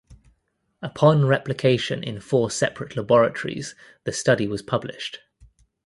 Upon replication in four separate laboratories the study was published.